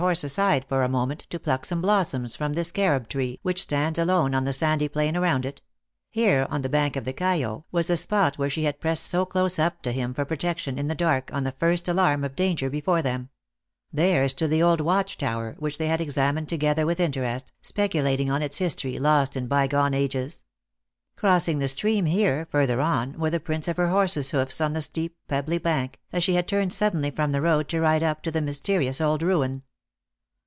351 horse aside for a moment, to pluck some blossoms from this carob tree, which stands alone on the sandy plain around it ; here, on the bank of the Cayo, was the spot where she had pressed so close up beside him for protection, in the dark, on the first alarm of dan ger before them ; there stood the old watch tower, which they had examined together with interest, spec ulating on its history, lost in by gone ages ; crossing the stream here, further on, were the prints of her horses hoofs on the steep, pebbly bank, as she had turned suddenly from the road, to ride up to the mys terious old ruin.